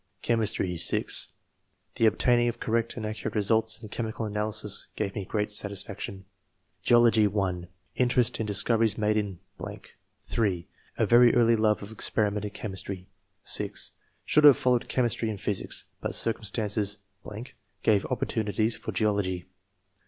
Chemistry. — (6) The obtaining of correct and accurate results in chemical analysis gave me great satisfaction. Geology. — (1) Interest in discoveries made in (3) A very early love of experiment and chemistry. (6) Should have followed che mistry and physics, but circumstances .... gave opportunities for geology.